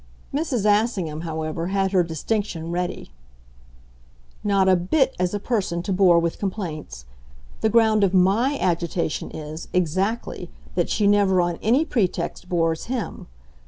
Mrs. Assingham, however, had her distinction ready. "Not a bit as a person to bore with complaints. The ground of MY agitation is, exactly, that she never on any pretext bores him.